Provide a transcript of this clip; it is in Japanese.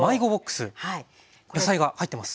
野菜が入ってますね。